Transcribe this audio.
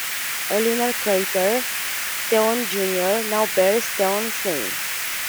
A lunar crater, Theon Junior, now bears Theon's name.